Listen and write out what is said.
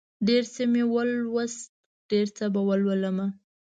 ډېر څه مې ولوست، ډېر څه به ولولمه